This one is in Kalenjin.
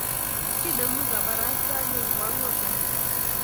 Kinemu kabarastaenyo koangwan kasi